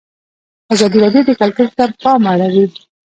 ازادي راډیو د کلتور ته پام اړولی.